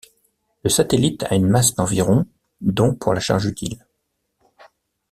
Le satellite a une masse d'environ dont pour la charge utile.